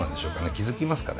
気付きますかね